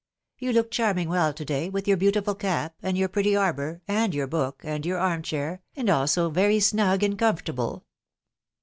" You look charming well to day, with your beautiful cap, and your pretty arbour, and your book, and your arm chair, and all so very snug and comfortable.